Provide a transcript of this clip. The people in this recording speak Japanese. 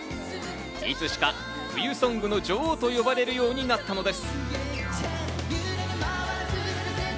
いつしか冬ソングの女王と呼ばれるようになったのです。